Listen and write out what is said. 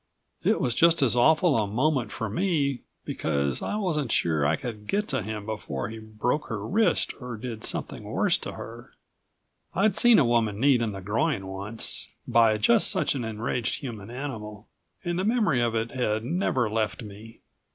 It was just as awful a moment for me, because I wasn't sure I could get to him before he broke her wrist or did something worse to her. I'd seen a woman kneed in the groin once, by just such an enraged human animal, and the memory of it had never left me.